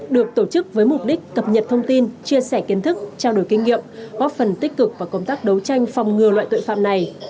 được tổ chức với mục đích cập nhật thông tin chia sẻ kiến thức trao đổi kinh nghiệm góp phần tích cực vào công tác đấu tranh phòng ngừa loại tội phạm này